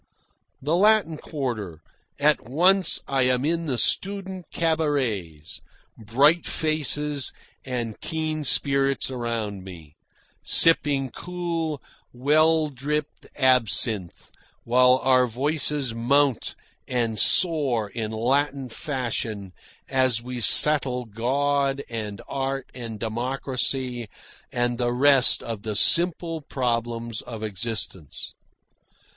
The Latin Quarter at once I am in the student cabarets, bright faces and keen spirits around me, sipping cool, well dripped absinthe while our voices mount and soar in Latin fashion as we settle God and art and democracy and the rest of the simple problems of existence.